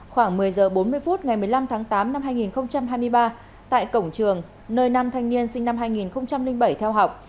khoảng một mươi h bốn mươi phút ngày một mươi năm tháng tám năm hai nghìn hai mươi ba tại cổng trường nơi nam thanh niên sinh năm hai nghìn bảy theo học